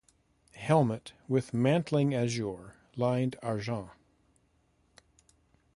Helmet with mantling azure, lined argent.